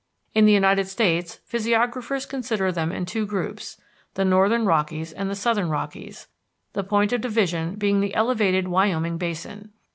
In the United States physiographers consider them in two groups, the Northern Rockies and the Southern Rockies, the point of division being the elevated Wyoming Basin.